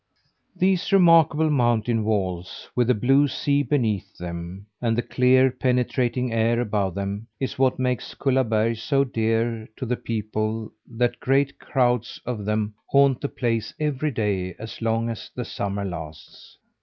These remarkable mountain walls, with the blue sea beneath them, and the clear penetrating air above them, is what makes Kullaberg so dear to the people that great crowds of them haunt the place every day as long as the summer lasts.